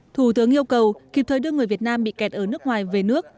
thủ tướng yêu cầu kịp thời đưa người việt nam bị kẹt ở nước ngoài về nước